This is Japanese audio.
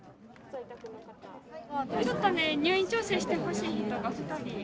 ちょっとね入院調整してほしい人が。